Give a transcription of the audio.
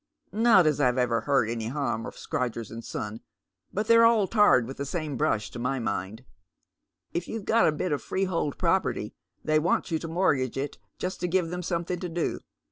Not as I've ever heard any harm of Scrodgers and Son, but they're all tarred with the same brush, to my mind. If you've got a bit of freehold property, they wants you to mort gage it just to give them something to do.